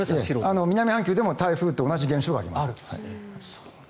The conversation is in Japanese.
南半球でも同じ現象はあります。